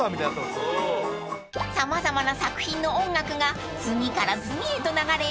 ［様々な作品の音楽が次から次へと流れ